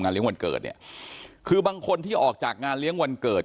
เลี้ยงวันเกิดเนี่ยคือบางคนที่ออกจากงานเลี้ยงวันเกิด